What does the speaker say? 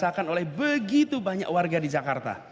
dirasakan oleh begitu banyak warga di jakarta